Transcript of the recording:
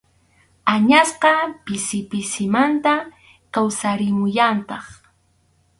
Añasqa pisi pisimanta kawsarimullantaq.